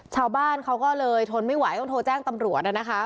ชาวบ้านเขาก็เลยทนไม่ไหวต้องโทรแจ้งตำรวจนะคะ